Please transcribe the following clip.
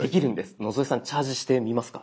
野添さんチャージしてみますか？